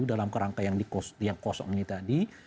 dalam kerangka yang kosong ini tadi